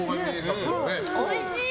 おいしい！